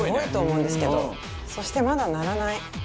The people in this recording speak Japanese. そしてまだ鳴らない。